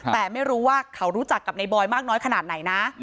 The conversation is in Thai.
แต่ไม่รู้ว่าเขารู้จักกับในบอยมากน้อยขนาดไหนนะ